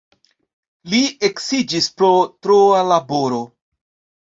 Li eksiĝis pro troa laboro.